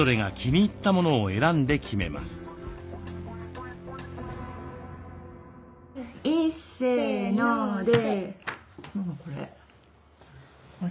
いっせのせ！